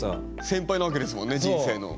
先輩なわけですもんね人生の。